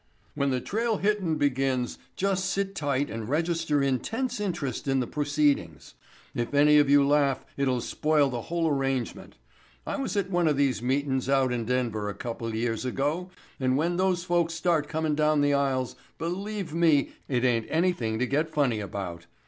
"When the trail hittin' begins just sit tight and register intense interest in the proceedings. If any of you laugh it'll spoil the whole arrangement. I was at one of these meetin's out in Denver a couple of years ago and when those folks start comin' down the aisles believe me it ain't anything to get funny about.